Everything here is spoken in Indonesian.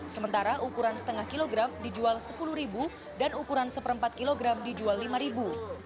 sementara ukuran setengah kg dijual rp sepuluh dan ukuran seperempat kg dijual rp lima